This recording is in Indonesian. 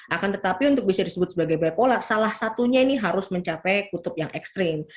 akan tetapi untuk bisa disebut sebagai bipolar salah satunya ini harus mencapai kutub yang ekstrim